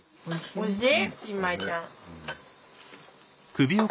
おいしい！